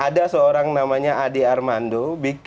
ada seorang namanya ade armando